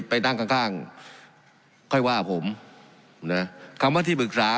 ไปนั่งข้างข้างค่อยว่าผมนะคำว่าที่ปรึกษา